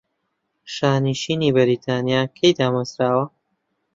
شانشینی بەریتانیا کەی دامەرزاوە؟